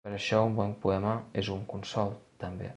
Per això un bon poema és un consol, també.